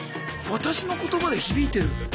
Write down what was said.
私の言葉で響いてる。